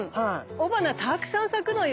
雄花たくさん咲くのよ。